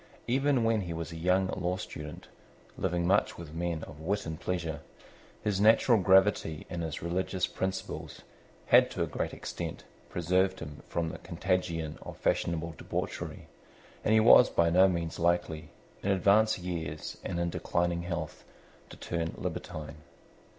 Even when he was a young law student, living much with men of wit and pleasure, his natural gravity and his religious principles had to a great extent preserved him from the contagion of fashionable debauchery; and he was by no means likely, in advanced years and in declining health, to turn libertine.